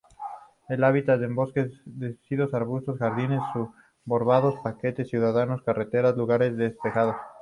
El hábitat es bosques deciduos, arbustos, jardines suburbanos, parques ciudadanos, carreteras, lugares despejados.